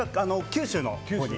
九州の。